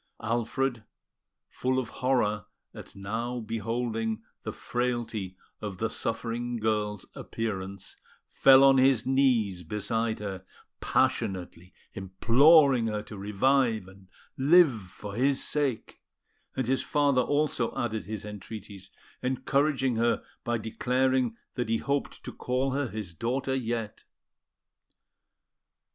Alfred, full of horror at now beholding the frailty of the suffering girl's appearance, fell on his knees beside her, passionately imploring her to revive and live for his sake; and his father also added his entreaties, encouraging her by declaring that he hoped to call her his daughter yet.